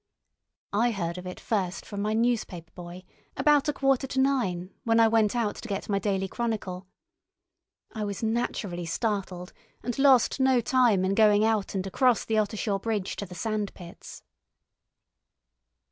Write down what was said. I heard of it first from my newspaper boy about a quarter to nine when I went out to get my Daily Chronicle. I was naturally startled, and lost no time in going out and across the Ottershaw bridge to the sand pits.